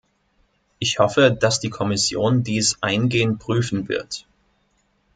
Ich hoffe, dass die Kommission dies eingehend prüfen wird.